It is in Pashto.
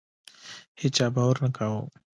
هیچا باور نه کاوه.